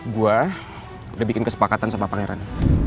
gue udah bikin kesepakatan sama pangeran